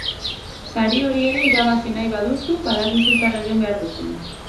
Sari hori ere irabazi nahi baduzu, badakizu zer egin behar duzun!